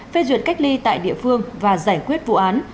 phê duyệt cách ly tại địa phương và giải quyết vụ án